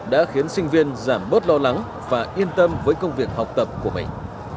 đã khiến sinh viên giảm bớt lo lắng và yên tâm với công việc học tập của mình